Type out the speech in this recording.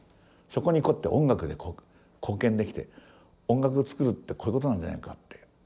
そこにこうやって音楽で貢献できて音楽を作るってこういう事なんじゃないかって。